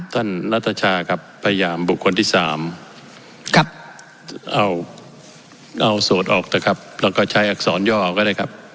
นัทชาครับพยายามบุคคลที่๓เอาโสดออกเถอะครับแล้วก็ใช้อักษรย่อก็ได้ครับ